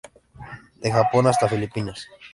De Japón hasta Filipinas.